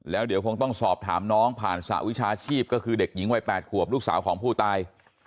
แล้วเดี๋ยวคงต้องสอบถามน้องผ่านสหวิชาชีพก็คือเด็กหญิงวัย๘ขวบลูกสาวของผู้ตาย